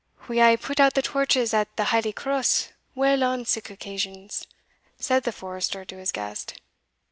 "We aye put out the torches at the Halie cross Well on sic occasions," said the forester to his guest.